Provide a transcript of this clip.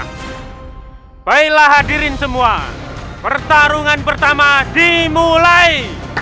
hai bailah hadirin semua pertarungan pertama dimulai